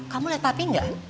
kamu liat papi gak